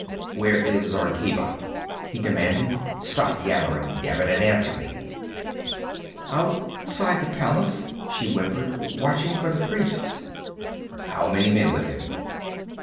'Where is Zargheba?' he demanded. 'Stop yammering, damn it, and answer me.' 'Outside the palace,' she whimpered, 'watching for the priests.' 'How many men with him?'